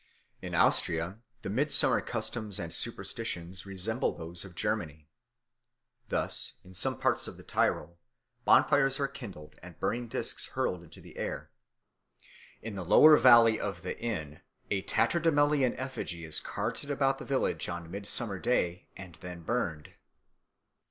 In Austria the midsummer customs and superstitions resemble those of Germany. Thus in some parts of the Tyrol bonfires are kindled and burning discs hurled into the air. In the lower valley of the Inn a tatterdemalion effigy is carted about the village on Midsummer Day and then burned.